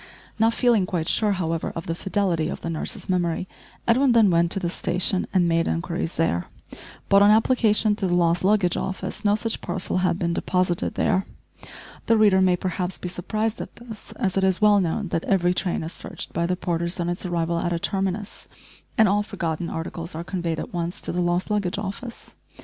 Not feeling quite sure however of the fidelity of the nurse's memory, Edwin then went to the station and made inquiries there, but on application to the lost luggage office no such parcel had been deposited there. The reader may perhaps be surprised at this, as it is well known that every train is searched by the porters on its arrival at a terminus, and all forgotten articles are conveyed at once to the lost luggage office.